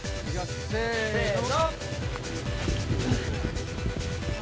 せの。